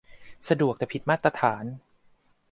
สะดวกแต่ผิดมาตรฐาน